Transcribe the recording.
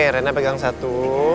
nih rena pegang satu